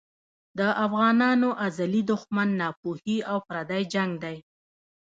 د افغانانو ازلي دښمن ناپوهي او پردی جنګ دی.